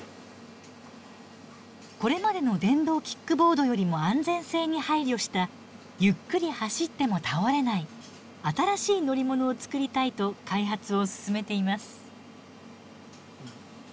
これまでの電動キックボードよりも安全性に配慮したゆっくり走っても倒れない新しい乗り物を作りたいと開発を進めています。